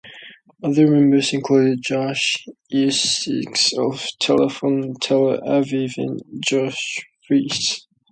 Other members included Josh Eustis of Telefon Tel Aviv and Josh Freese.